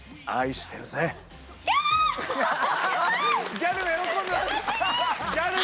ギャルが喜んで！